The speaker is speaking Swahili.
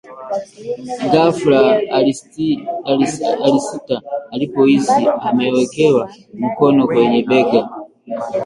Ghafla, alisita alipohisi amewekewa mkono kwenye bega